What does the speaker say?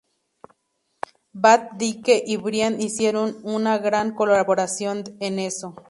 Van Dyke y Brian hicieron una gran colaboración en eso.